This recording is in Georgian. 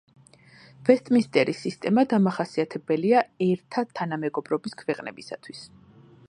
ვესტმინსტერის სისტემა დამახასიათებელია ერთა თანამეგობრობის ქვეყნებისათვის.